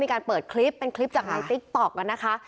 มีการเปิดคลิปเป็นคลิปจากในติ๊กต๊อกนะคะ